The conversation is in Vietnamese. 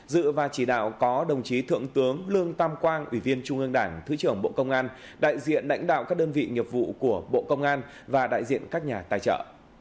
dự và chỉ đạo có đồng chí thượng tướng lương tam quang ủy viên trung ương đảng thứ trưởng bộ công an đại diện lãnh đạo các đơn vị nghiệp vụ của bộ công an và đại diện các nhà tài trợ